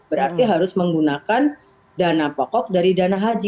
berarti harus menggunakan dana pokok dari dana haji